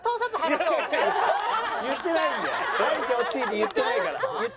言ってないから。